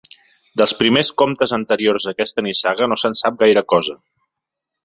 Dels primers comtes anteriors a aquesta nissaga no se'n sap gaire cosa.